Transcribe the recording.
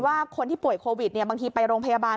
ว่าคนที่ป่วยโควิดบางทีไปโรงพยาบาล